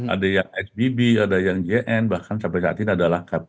ada yang xbb ada yang jn bahkan sampai saat ini adalah kp